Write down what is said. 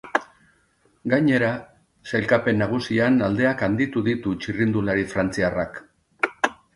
Gainera, sailkapen nagusian aldeak handitu ditu txirrindulari frantziarrak.